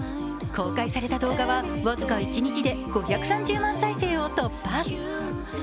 公開された動画は、僅か一日で５３０万再生を突破。